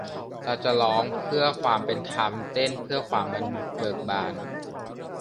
เราจะร้องเพื่อความเป็นธรรม เต้นเพื่อความเบิกบาน !